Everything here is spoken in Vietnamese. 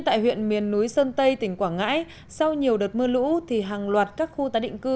tại huyện miền núi sơn tây tỉnh quảng ngãi sau nhiều đợt mưa lũ thì hàng loạt các khu tái định cư